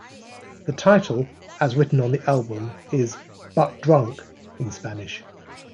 The title, as written on the album, is "but drunk" in Spanish.